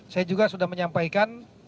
saya juga sudah menyampaikan